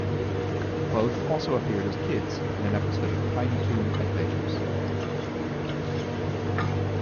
Both also appeared as kids in an episode of "Tiny Toon Adventures".